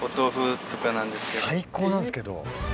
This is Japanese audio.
最高なんですけど。